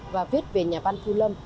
và viết về nhà văn thu lâm